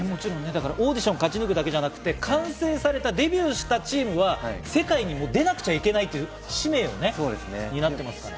オーディションを勝ち抜くだけではなく、完成されたデビューチームは世界にもう出なくちゃいけないという使命を担ってますから。